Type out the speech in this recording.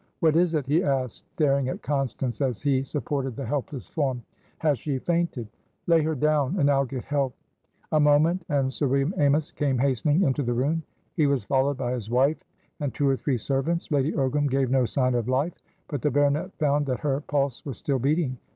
"What is it?" he asked, staring at Constance as he supported the helpless form. "Has she fainted?" "Lay her down, and I'll get help." A moment, and Sir William Amys came hastening into the room; he was followed by his wife and two or three servants. Lady Ogram gave no sign of life, but the baronet found that her pulse was still beating.